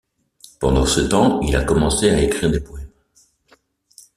Pendant ce temps, il a commencé à écrire des poèmes.